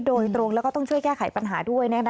โดยตรงแล้วก็ต้องช่วยแก้ไขปัญหาด้วย